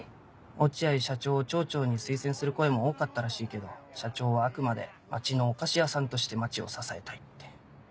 落合社長を町長に推薦する声も多かったらしいけど社長はあくまで町のお菓子屋さんとして町を支えたいって。